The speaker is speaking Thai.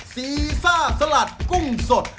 ซีซ่าสลัดกุ้งสด